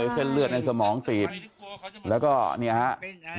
เส้นเลือดในสมองตีด